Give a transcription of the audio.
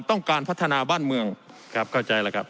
ต้องการพัฒนาบ้านเมืองครับเข้าใจแล้วครับ